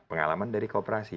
pengalaman dari kooperasi